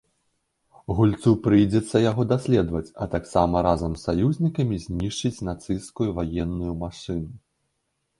Гульцу прыйдзецца яго даследаваць, а таксама разам з саюзнікамі знішчыць нацысцкую ваенную машыну.